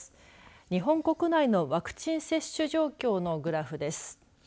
日本国内のワクチン接種状況のグラフです。